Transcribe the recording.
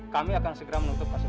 kami akan segera menutup kasus